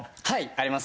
あります。